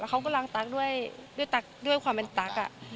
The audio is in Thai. เขาก็ล้างตั๊กด้วยความเป็นตั๊ก